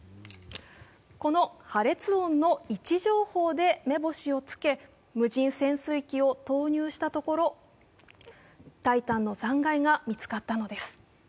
この破裂音の位置情報で目星をつけ、無人潜水機を投入したところ「タイタン」の残骸が見つかったのです。